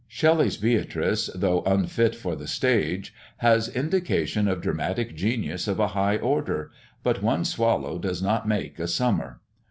Shelley's Beatrice, though unfit for the stage, has indication of dramatic genius of a high order; but one swallow does not make a summer.